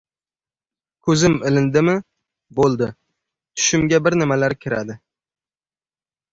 Ko‘zim ilindimi, bo‘ldi, tushimga bir nimalar kiradi.